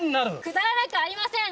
くだらなくありません！